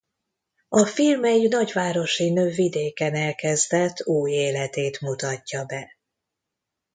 A film egy nagyvárosi nő vidéken elkezdett új életét mutatja be.